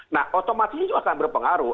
nah otomatis ini juga akan berpengaruh